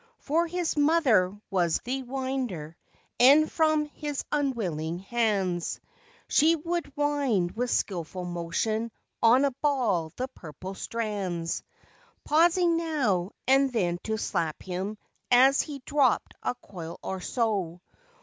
For his mother was the winder, and from his unwilling hands She would wind with skillful motion on a ball the purple strands. Pausing now and then to slap him as he dropped a coil or so.